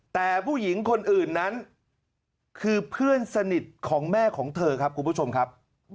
แต่ผู้หญิงคนอื่นนั้นคือเพื่อนสนิทของแม่ของเธอครับคุณผู้ชมครับ